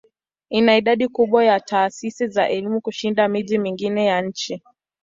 Ina idadi kubwa ya taasisi za elimu kushinda miji mingine ya nchi.